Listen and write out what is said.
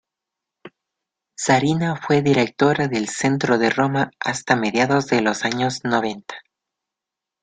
Zarina fue directora del Centro de Roma hasta mediados de los años noventa.